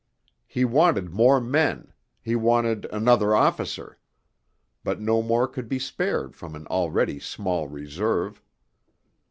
He wanted more men, he wanted another officer but no more could be spared from an already small reserve.